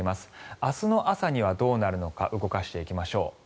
明日の朝にはどうなるのか動かしていきましょう。